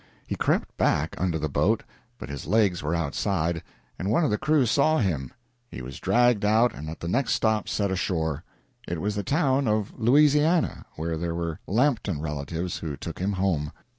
He crept back under the boat, but his legs were outside, and one of the crew saw him. He was dragged out and at the next stop set ashore. It was the town of Louisiana, where there were Lampton relatives, who took him home.